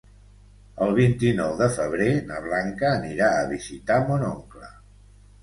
El vint-i-nou de febrer na Blanca anirà a visitar mon oncle.